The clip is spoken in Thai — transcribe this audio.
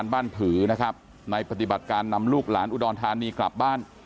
ผือนะครับในปฏิบัติการนำลูกหลานอุดรธานีกลับบ้าน